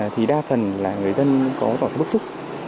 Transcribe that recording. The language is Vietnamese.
thì đa phần là người dân có bức xúc